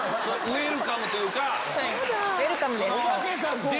ウエルカムというか。